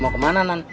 mau kemana nan